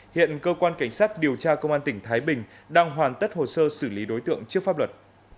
hiện cơ quan cảnh sát điều tra công an tỉnh thái bình đang hoàn tất hồ sơ xử lý đối tượng trước pháp luật